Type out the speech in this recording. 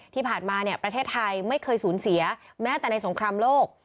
ที่ผ่านมาประเทศไทยไม่เคยสูญเสียแม้แต่ในสงครามโลก